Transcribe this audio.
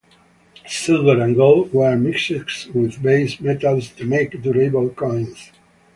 Silver and gold were mixed with base metals to make durable coins.